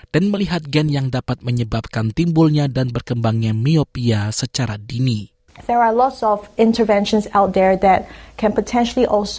dan melihat gen yang dapat menyebabkan timbulnya dan berkembangnya miopia secara dini